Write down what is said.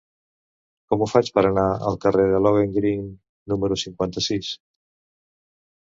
Com ho faig per anar al carrer de Lohengrin número cinquanta-sis?